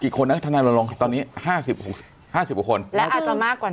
กี่คนอ่ะธนาน่ารังตอนนี้ห้าสิบหูครึ่งห้าสิบหูคนแล้วอาจจะมากกว่านั้น